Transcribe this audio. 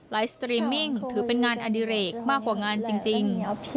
สตรีมมิ่งถือเป็นงานอดิเรกมากกว่างานจริง